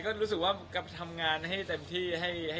ก็รู้สึกว่าทำงานให้เต็มที่ให้ดีที่สุดครับ